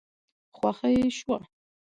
خوښه يې شوه.